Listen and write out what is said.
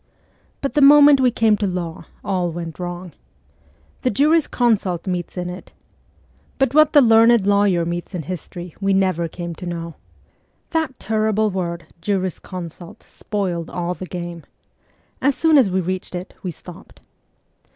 But the moment we came to law all went wrong. ' The juris consult meets in it ' but what the learned lawyer meets in history we never came to know That terrible word ' jurisconsult ' spoiled all the game. As soon as we reached it we stopped.